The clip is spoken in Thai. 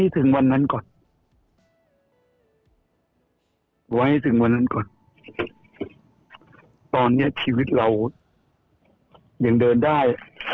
ตอนนี้ชีวิตเรายังเดินได้